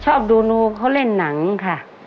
ชอบดูนูเขาเล่นหนังค่ะ